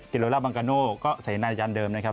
กิโลลาบังกาโน่ก็เสน่ห์นายันเดิมนะครับ